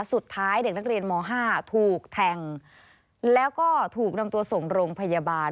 สุดท้ายเด็กนักเรียนม๕ถูกแทงแล้วก็ถูกนำตัวส่งโรงพยาบาล